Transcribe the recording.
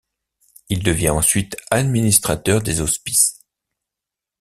Il devient ensuite administrateur des hospices.